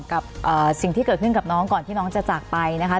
กับสิ่งที่เกิดขึ้นกับน้องก่อนที่น้องจะจากไปนะคะ